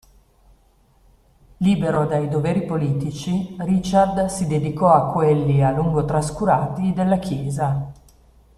Libero dai doveri politici Richard si dedicò a quelli, a lungo trascurati, della Chiesa.